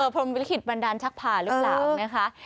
พรมลิขิตบันดาลชักผ่าหรือเปล่านะคะ